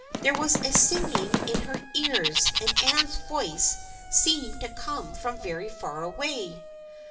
There was a singing in her ears and Anne's voice seemed to come from very far away.